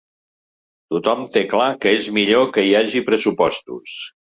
Tothom té clar que és millor que hi hagi pressupostos.